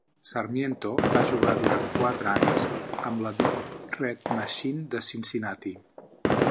Sarmiento va jugar durant quatre anys amb la "Big Red Machine" de Cincinnati.